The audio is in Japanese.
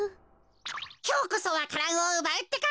きょうこそわか蘭をうばうってか。